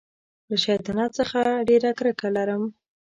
له شیطانت څخه ډېره کرکه لرم.